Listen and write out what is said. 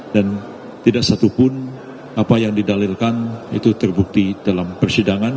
dan tidak satupun apa yang didalilkan itu terbukti dalam persidangan